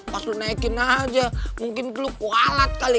pas lu naikin aja mungkin perlu kewalat kali